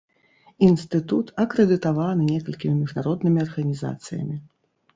Інстытут акрэдытаваны некалькімі міжнароднымі арганізацыямі.